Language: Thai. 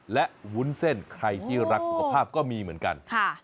และวุ้นเส้นใครที่รักสุขภาพก็มีเหมือนกัน